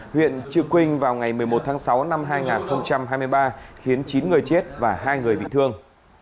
huyện trư quynh vào ngày một mươi một tháng sáu năm hai nghìn hai mươi ba khiến chín người chết và hai người bị thương